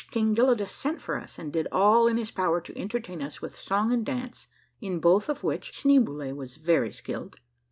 King Gelidus sent for us and did all in his power to entertain us with song and dance, in both of which, Schnee boule was very skilled.